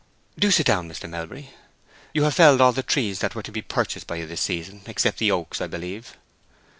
"Do sit down, Mr. Melbury. You have felled all the trees that were to be purchased by you this season, except the oaks, I believe."